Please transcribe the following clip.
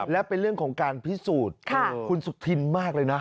และเป็นเรื่องของการพิสูจน์คุณสุธินมากเลยนะ